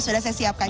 sudah saya siapkan